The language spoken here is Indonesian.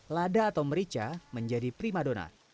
lada atau merica menjadi primadona